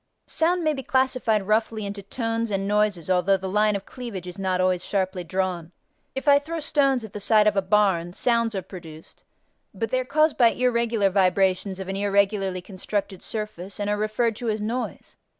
Sound may be classified roughly into tones and noises although the line of cleavage is not always sharply drawn. If I throw stones at the side of a barn, sounds are produced, but they are caused by irregular vibrations of an irregularly constructed surface and are referred to as noise.